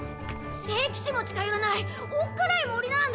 聖騎士も近寄らないおっかない森なんだ。